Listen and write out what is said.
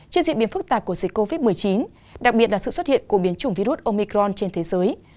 trên diễn biến phức tạp của dịch covid một mươi chín đặc biệt là sự xuất hiện của biến chủng virus omicron trên thế giới